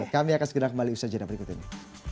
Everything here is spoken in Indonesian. kami akan segera kembali ke usaha jenama berikut ini